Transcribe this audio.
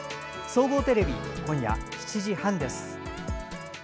総合テレビ今夜７時半です。